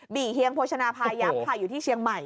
ี่เฮียงโภชนาภายับค่ะอยู่ที่เชียงใหม่